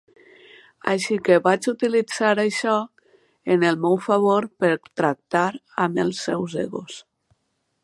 Així que vaig utilitzar això en el meu favor per tractar amb els seus egos.